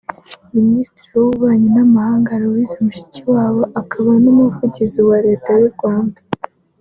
Minisitiri w’Ububanyi n’Amahanga Louise Mushikiwabo akaba n'Umuvugizi wa Leta y'u Rwanda